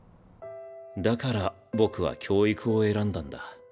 だから僕は教育を選んだんだ。